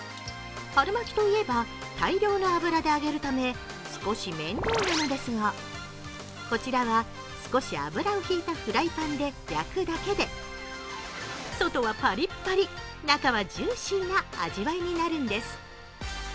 春巻きといえば、大量の油で揚げるため少し面倒なのですが、こちらは少し油をひいたフライパンで焼くだけで外はパリッパリ中はジューシーな味わいになるんです。